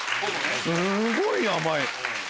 すごい甘い！